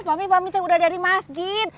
papi papi teh udah dari masjid